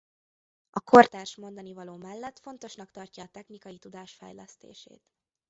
A kortárs mondanivaló mellett fontosnak tartja a technikai tudás fejlesztését.